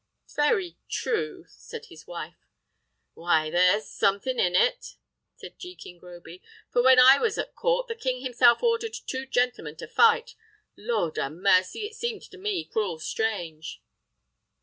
"Very true," said his wife. "Why, there's something in it," said Jekin Groby; "for when I was at court, the king himself ordered two gentlemen to fight. Lord a' mercy! it seemed to me cruel strange!"